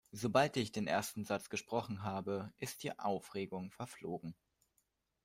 Sobald ich den ersten Satz gesprochen habe, ist die Aufregung verflogen.